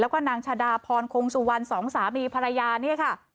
แล้วก็นางชาดาพรคงสุวรรณสองสามีภรรยาเนี่ยค่ะ